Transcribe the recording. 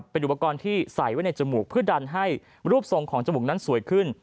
เป็นอุปกรณ์ที่ใส่ไว้ในจมูกเพื่อดันให้รูปทรงของจมูกนั้นสวยขึ้น